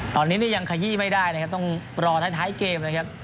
ตอนนี้นี่ยังขยี้ไม่ได้นะครับต้องรอท้ายเกมนะครับ